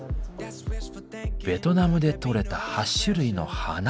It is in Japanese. ベトナムで採れた８種類の花。